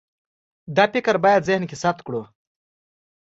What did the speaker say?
دا فکر باید ذهن کې ثبت کړو.